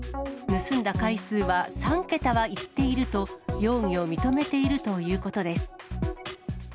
盗んだ回数は３桁はいっていると、容疑を認めているということです。